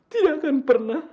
tidak akan pernah